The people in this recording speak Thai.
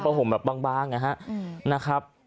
ก็ผ้าผมแบบบางนะครับ